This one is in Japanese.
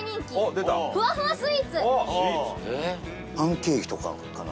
東山：パンケーキとかなのかな？